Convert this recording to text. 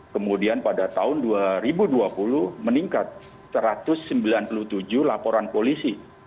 kemudian pada tahun dua ribu dua puluh meningkat satu ratus sembilan puluh tujuh laporan polisi